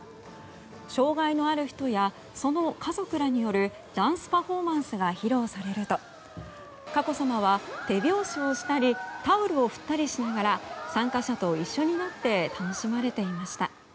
障害のある人やその家族らによるダンスパフォーマンスが披露されると佳子さまは手拍子をしたりタオルを振ったりしながら参加者と一緒になって楽しまれていました。